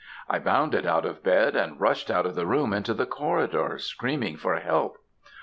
I bounded out of bed, and rushed out of the room into the corridor, screaming for help.